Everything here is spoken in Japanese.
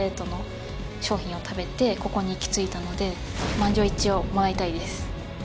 満場一致をもらいたいです